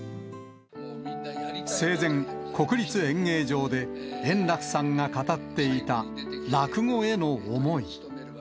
生前、国立演芸場で円楽さんが語っていた落語への思い。